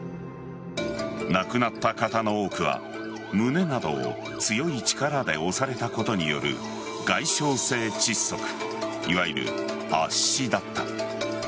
亡くなった方の多くは胸などを強い力で押されたことによる外傷性窒息いわゆる圧死だった。